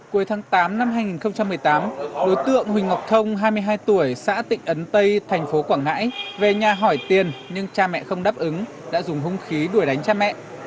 cuối tháng tám năm hai nghìn một mươi tám đối tượng huỳnh ngọc thông hai mươi hai tuổi xã tịnh ấn tây thành phố quảng ngãi về nhà hỏi tiền nhưng cha mẹ không đáp ứng đã dùng hung khí đuổi đánh cha mẹ